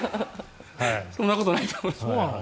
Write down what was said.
そんなことないと思いますが。